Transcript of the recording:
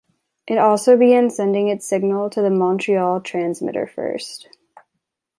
It also began sending its signal to the Montreal transmitter first.